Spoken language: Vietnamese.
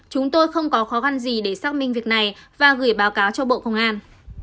chúng tôi không có khó khăn gì để xác minh việc này và gửi báo cáo cho bộ công an